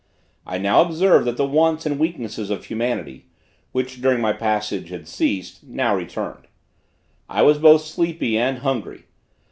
I now observed that the wants and weaknesses of humanity, which, during my passage had ceased, now returned. I was both sleepy and hungry.